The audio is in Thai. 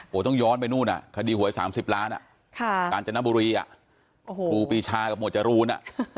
โหต้องย้อนไปนู่นคดีหวย๓๐ล้านอ่ะการจนบุรีปีชากับโมจรูน